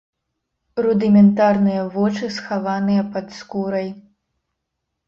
Рудыментарныя вочы схаваныя пад скурай.